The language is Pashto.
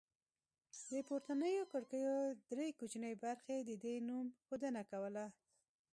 د پورتنیو کړکیو درې کوچنۍ برخې د دې نوم ښودنه کوله